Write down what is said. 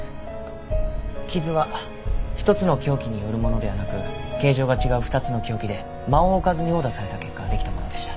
傷は１つの凶器によるものではなく形状が違う２つの凶器で間を置かずに殴打された結果できたものでした。